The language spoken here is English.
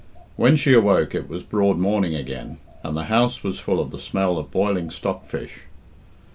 When she awoke it was broad morning again, and the house was full of the smell of boiling stock fish.